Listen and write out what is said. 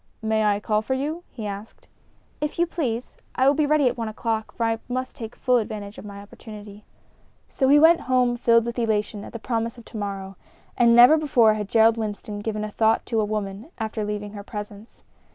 "May I call for you?" he asked. "If you please. I will be ready at one o'clock, for I must take full advantage of my opportunity." So he went home filled with elation at the promise of to morrow. And never before had Gerald Winston given a thought to a woman after leaving her presence.